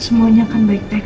semuanya akan baik baik aja kum